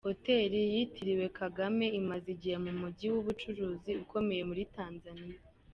Hoteli yitiriwe Kagame imaze igihe mu mujyi w'ubucuruzi ukomeye muri Tanzania.